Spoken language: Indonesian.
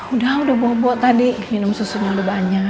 udah udah bobo tadi minum susunya udah banyak